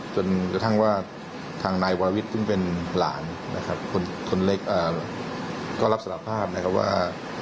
จนกระทั่งว่าทางนายวาวิทย์ซึ่งเป็นหลานนะครับคนเล็กก็รับสารภาพนะครับว่า